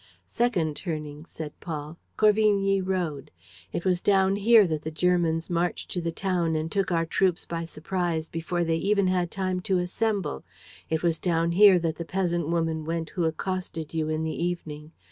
"Second turning," said Paul. "Corvigny Road. It was down here that the Germans marched to the town and took our troops by surprise before they even had time to assemble; it was down here that the peasant woman went who accosted you in the evening.